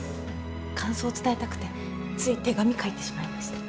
感想伝えたくてつい手紙書いてしまいました。